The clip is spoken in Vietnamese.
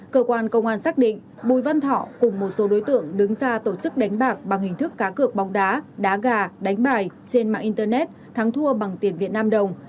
cơ quan công an xác định bùi văn thọ cùng một số đối tượng đứng ra tổ chức đánh bạc bằng hình thức cá cược bóng đá đá gà đánh bài trên mạng internet thắng thua bằng tiền việt nam đồng